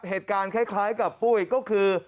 เหตุการณ์คล้ายกับปุ้ยก็คือ